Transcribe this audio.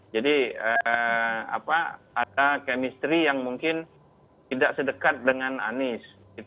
jadi ada kemistri yang mungkin tidak sedekat dengan anies